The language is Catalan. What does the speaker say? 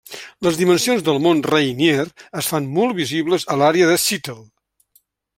Les dimensions del Mont Rainier es fan molt visibles a l'àrea de Seattle.